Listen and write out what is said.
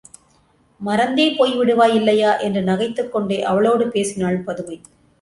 மறந்தே போய் விடுவாய் இல்லையா? என்று நகைத்துக் கொண்டே அவளோடு பேசினாள் பதுமை.